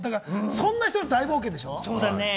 そんな人の大冒険でしょ？